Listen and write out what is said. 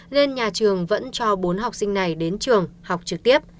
nên nhà trường vẫn cho bốn học sinh này đến trường học trực tiếp